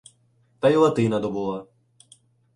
Та і Латина добула.